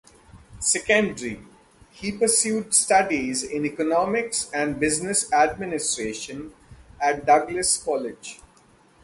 Secondary, he pursued studies in economics and business administration at Douglas College.